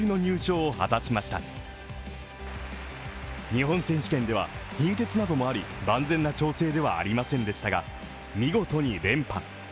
日本選手権では貧血などもあり万全な調整ではありませんでしたが見事に連覇。